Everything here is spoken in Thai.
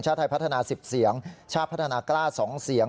ไทยพัฒนา๑๐เสียงชาติพัฒนากล้า๒เสียง